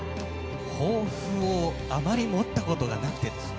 抱負をあまり持ったことがなくてですね